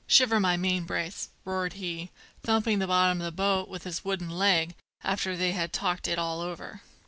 "Shiver my main brace!" roared he, thumping the bottom of the boat with his wooden leg after they had talked it all over.